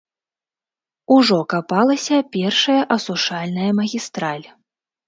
Ужо капалася першая асушальная магістраль.